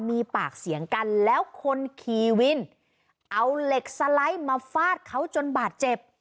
มีปากเสียงกันแล้วคนขี่วินเอาเหล็กสไลด์มาฟาดเขาจนบาดเจ็บ